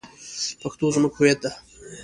پښتو زمونږ هویت ده